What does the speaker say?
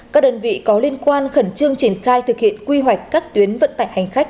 các đơn vị có liên quan khẩn trương triển khai thực hiện quy hoạch các tuyến vận tải hành khách